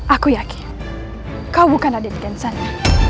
aku yakin kau bukan raden kian santa